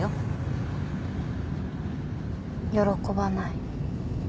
喜ばない。